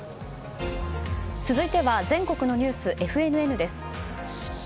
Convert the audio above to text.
続いては全国のニュースＦＮＮです。